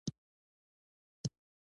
ښوونځی ماشومانو ته د مسؤلیت حس ورکوي.